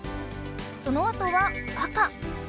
そのあとは赤。